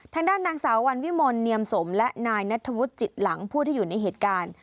ทางด้านนางสาววันวิมลเนียมสมและนายนัทธวุฒิจิตหลังผู้ที่อยู่ในเหตุการณ์